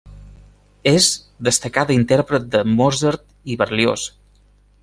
És destacada intèrpret de Mozart i Berlioz.